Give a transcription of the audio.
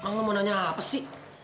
lu mau nanya apa sih